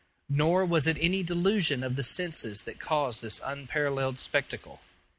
Nor was it any delusion of the senses that caused this unparalleled spectacle.